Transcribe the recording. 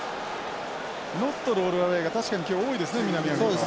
ノットロールアウェイが確かに今日多いですね南アフリカは。